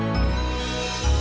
gue mau pukul lagi